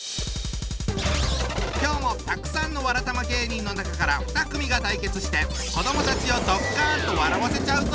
今日もたくさんのわらたま芸人の中から２組が対決して子どもたちをドッカンと笑わせちゃうぞ！